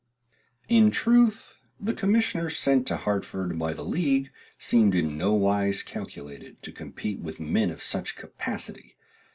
In truth, the commissioners sent to Hartford by the league seemed in no wise calculated to compete with men of such capacity.